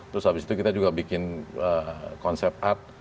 terus habis itu kita juga bikin konsep art